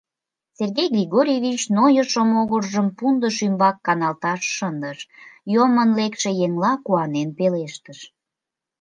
— Сергей Григорьевич нойышо могыржым пундыш ӱмбак каналташ шындыш, йомын лекше еҥла куанен пелештыш.